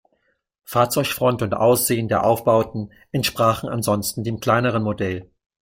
Fahrzeugfront und Aussehen der Aufbauten entsprachen ansonsten dem kleineren Modell.